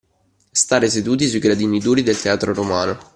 Stare seduti sui gradini duri del teatro romano